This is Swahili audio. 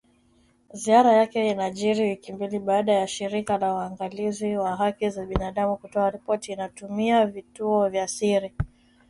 Ziara yake inajiri wiki mbili baada ya shirika la " Waangalizi wa Haki za Binadamu' kutoa ripoti ikisema kuwa serikali inatumia vituo vya siri.